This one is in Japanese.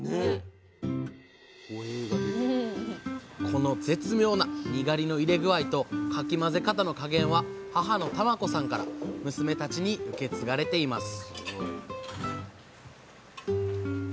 この絶妙なにがりの入れ具合とかき混ぜ方の加減は母の玉子さんから娘たちに受け継がれています